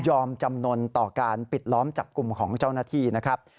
จำนวนต่อการปิดล้อมจับกลุ่มของเจ้าหน้าที่นะครับ